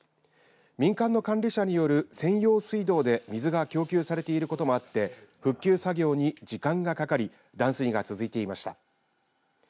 民間の管理者による専用水道で水が供給されていることもあって復旧作業に時間がかかり断水が続いていました。